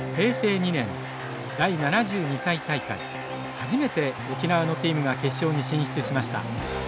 初めて沖縄のチームが決勝に進出しました。